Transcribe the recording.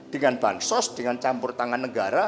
dengan bahan sos dengan campur tangan negara